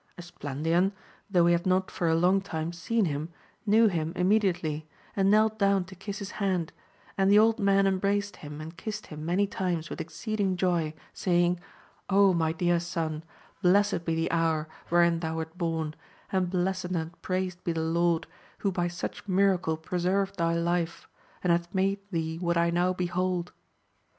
Esplandian, though he had not for a long time seen him, knew him immediately, and knelt down to kiss his hand, and the old man embraced him and kissed him many times with exceeding joy, saying, my dear son, blessed be the hour wherein thou wert born, and blessed and praised be the Lord, who by such miracle preserved thy life, and hath made thee what I now behold.